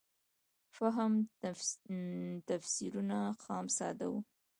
فهم تفسیرونه خام ساده وو.